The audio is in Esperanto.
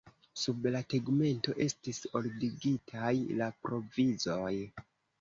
Sub la tegmento estis ordigitaj la provizoj.